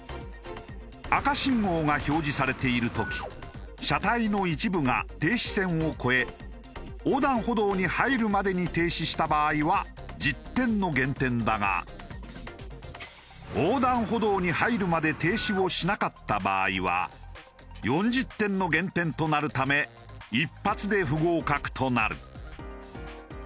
赤信号が表示されている時車体の一部が停止線を超え横断歩道に入るまでに停止した場合は１０点の減点だが横断歩道に入るまで停止をしなかった場合は４０点の減点となるため一発で不合格となる。